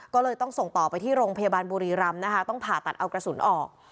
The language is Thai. ก็เลยต้องส่งต่อไปที่โรงพยาบาลบุรีรำนะคะต้องผ่าตัดเอากระสุนออก